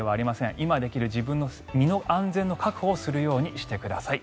今できる自分の身の安全の確保をするようにしてください。